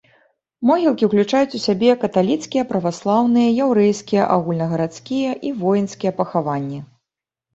Могілкі ўключаюць у сябе каталіцкія, праваслаўныя, яўрэйскія, агульнагарадскія і воінскія пахаванні.